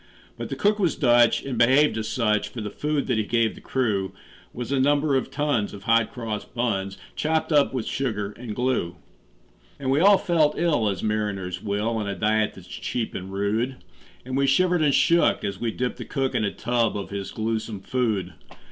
But the cook was Dutch, and behaved as such; For the food that he gave the crew Was a number of tons of hot cross buns, Chopped up with sugar and glue. And we all felt ill as mariners will, On a diet that's cheap and rude; And we shivered and shook as we dipped the cook In a tub of his gluesome food.